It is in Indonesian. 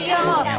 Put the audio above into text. ya bener dong